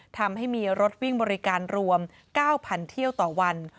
ทำให้มีรถวิ่งบริการรวม๙๐๐เที่ยวต่อวัน